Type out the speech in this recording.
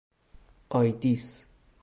آیدیس